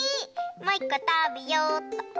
もういっこたべようっと。